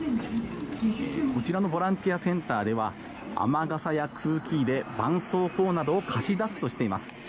こちらのボランティアセンターでは雨傘や空気入ればんそうこうなどを貸し出すとしています。